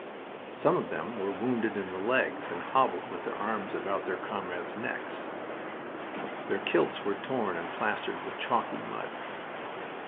Some of them were wounded in the legs and hobbled with their arms about their comrades' necks. Their kilts were torn and plastered with chalky mud.